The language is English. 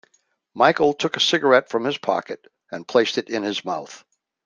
Michael took a cigarette from his pocket and placed it in his mouth.